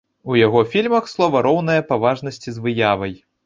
У яго фільмах слова роўнае па важнасці з выявай.